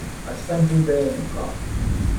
I spent all day in the park.